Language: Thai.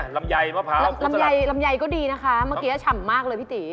แล้วลำไยก็ดีนะคะเมื่อกี๊ชมมากเลยพี่ตี๋